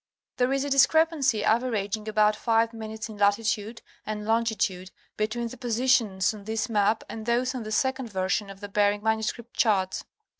There isa discrepancy averaging about five minutes in latitude and longitude between the positions on this map and those on .the second version of the Bering manuscript charts.